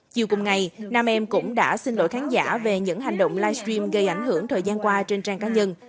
chiều cùng ngày nam em cũng đã xin lỗi khán giả về những hành động livestream gây ảnh hưởng thời gian qua trên trang cá nhân